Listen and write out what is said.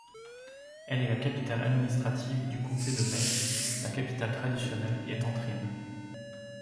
Elle est la capitale administrative du comté de Meath, la capitale traditionnelle étant Trim.